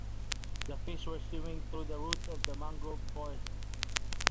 The fish were swimming through the roots of the mangrove forest.